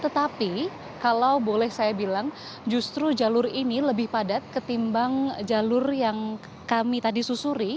tetapi kalau boleh saya bilang justru jalur ini lebih padat ketimbang jalur yang kami tadi susuri